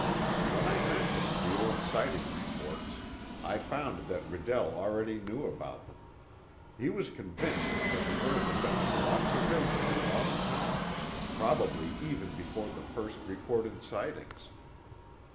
When I mentioned the old sighting reports, I found that Redell already knew about them. He was convinced that the earth had been under observation a long time, probably even before the first recorded sightings.